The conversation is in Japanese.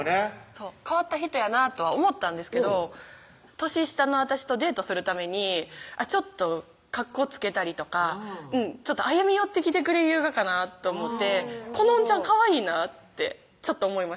そう変わった人やなとは思ったんですけど年下の私とデートするためにちょっとカッコつけたりとか歩み寄ってきてくれゆうがかなと思ってこのおんちゃんかわいいなってちょっと思いました